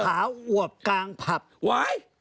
อะไร